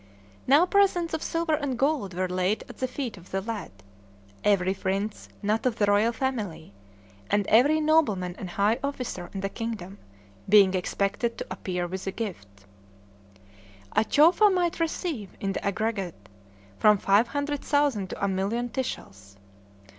Now presents of silver and gold were laid at the feet of the lad, every prince not of the royal family, and every nobleman and high officer in the kingdom, being expected to appear with gifts. A chowfa might receive, in the aggregate, from five hundred thousand to a million ticals.